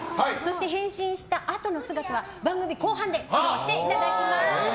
変身したあとの姿は番組後半で披露していただきます！